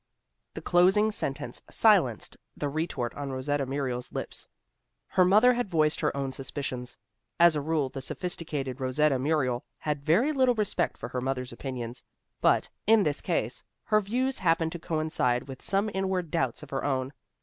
The closing sentence silenced the retort on Rosetta Muriel's lips. Her mother had voiced her own suspicions. As a rule, the sophisticated Rosetta Muriel had very little respect for her mother's opinions, but, in this case, her views happened to coincide with some inward doubts of her own.